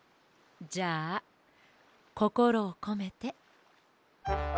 じゃあこころをこめて。